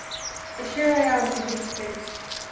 And here I am in these things."